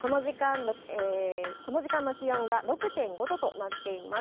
この時間の気温が６．５度となっています。